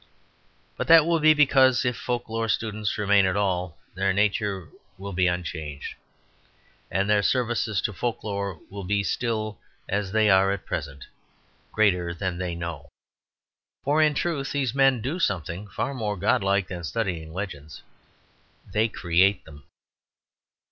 But that will be because if folk lore students remain at all, their nature will be unchanged; and their services to folk lore will be still as they are at present, greater than they know. For in truth these men do something far more godlike than studying legends; they create them.